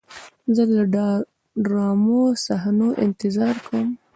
زه د ډرامو د صحنو انتظار کوم.